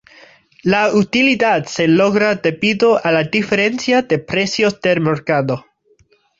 La utilidad se logra debido a la diferencia de precios de mercado.